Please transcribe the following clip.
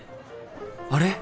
あれ？